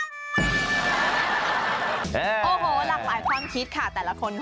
โอ้โหหลากหลายความคิดค่ะแต่ละคน